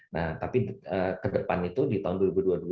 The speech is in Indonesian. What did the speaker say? nah tapi ke depan itu di tahun dua ribu dua puluh dua